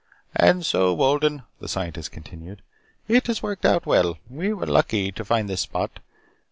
"And so, Wolden," the Scientist continued, "it has worked out well. We were lucky to find this spot.